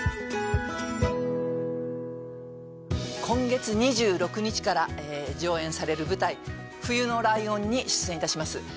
今月２６日から上演される舞台「冬のライオン」に出演いたします